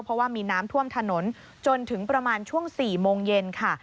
เพราะว่ามีน้ำท่วมถนนจนถึงประมาณช่วง๔โมงเย็นค่ะ